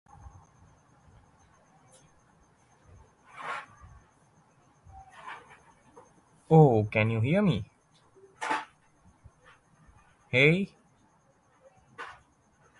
Ratings for "Popstars Live" continued to decline for the next episode.